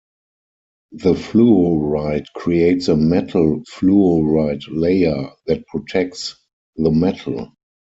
The fluoride creates a metal fluoride layer that protects the metal.